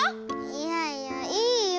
いやいやいいよ。